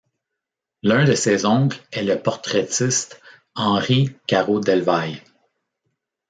L'un de ses oncles est le portraitiste Henry Caro-Delvaille.